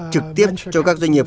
trực tiếp cho các doanh nghiệp